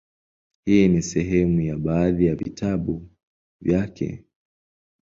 Hii ni sehemu ya baadhi ya vitabu vyake;